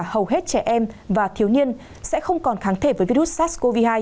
hầu hết trẻ em và thiếu nhiên sẽ không còn kháng thể với virus sars cov hai